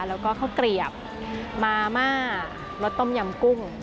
แล้วก็ข้าวเกลียบมาม่ารสต้มยำกุ้ง